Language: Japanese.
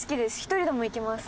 １人でも行きます。